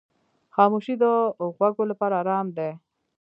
خاموشي د غوږو لپاره آرام دی.